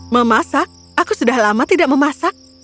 memasak aku sudah lama tidak memasak